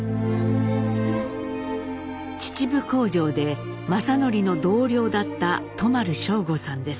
秩父工場で正順の同僚だった都丸省吾さんです。